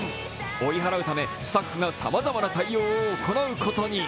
追い払うため、スタッフがさまざまな対応を行うことに。